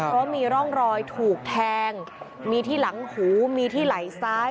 เพราะมีร่องรอยถูกแทงมีที่หลังหูมีที่ไหล่ซ้าย